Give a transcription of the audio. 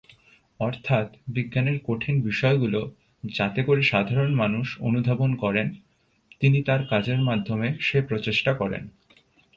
অর্থাৎ বিজ্ঞানের কঠিন বিষয়গুলো যাতে করে সাধারণ মানুষ অনুধাবন করেন, তিনি তার কাজের মাধ্যমে সে প্রচেষ্টা করেন।